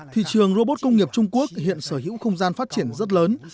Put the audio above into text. thị trường robot công nghiệp trung quốc hiện sở hữu không gian phát triển rất lớn